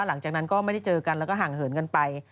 หลังจากนั้นก็ไม่ได้เจอกันแล้วก็ห่างเหินกันไป